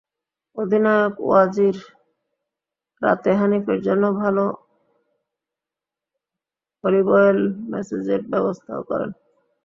অধিনায়ক ওয়াজির রাতে হানিফের জন্য ভাল অলিভ অয়েল ম্যাসাজের ব্যবস্থাও করেন।